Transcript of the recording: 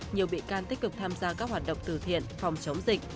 nhiều bị can tích cực tham gia các hoạt động từ thiện phòng chống dịch